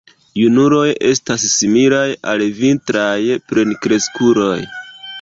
Junuloj estas similaj al vintraj plenkreskuloj.